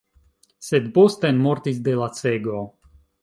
Sed Bosten mortis de lacego.